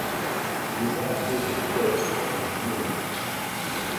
Les vents peuvent être violents.